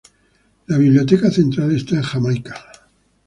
La biblioteca central está en Jamaica.